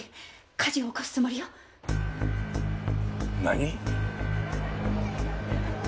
火事を起こすつもりよ。何！？